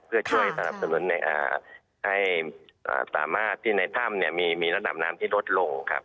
เพื่อช่วยสนับสนุนให้สามารถที่ในถ้ำมีระดับน้ำที่ลดลงครับ